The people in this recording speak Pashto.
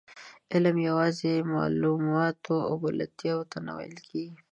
علم یوازې معلوماتو او بلدتیا ته نه ویل کېږي.